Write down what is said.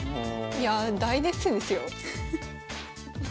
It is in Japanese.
いや大熱戦ですよ。